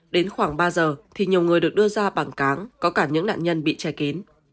đến khoảng ba giờ thì nhiều người được đưa ra bảng cáng có cả những nạn nhân bị che kín